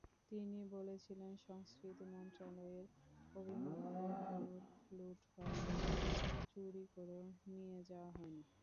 তিনি বলেছিলেন, সংস্কৃতি মন্ত্রণালয়ের অভিমত—কোহিনূর লুট হয়নি, চুরি করেও নিয়ে যাওয়া হয়নি।